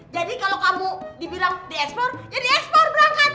jadi kalau kamu dibilang diekspor jadi diekspor berangkat